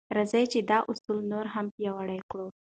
راځئ چې دا اصل نور هم پیاوړی کړو.